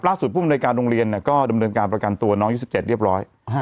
ผู้บริการโรงเรียนก็ดำเนินการประกันตัวน้อง๒๗เรียบร้อย